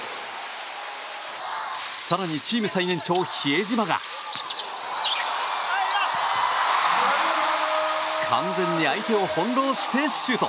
更にチーム最年長、比江島が完全に相手を翻弄してシュート！